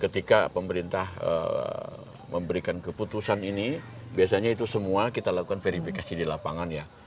ketika pemerintah memberikan keputusan ini biasanya itu semua kita lakukan verifikasi di lapangan ya